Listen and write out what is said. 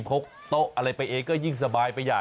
พกโต๊ะอะไรไปเองก็ยิ่งสบายไปใหญ่